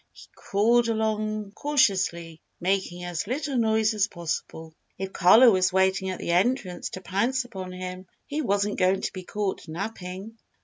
He crawled along cautiously, making as little noise as possible. If Carlo was waiting at the entrance to pounce upon him, he wasn't going to be caught napping.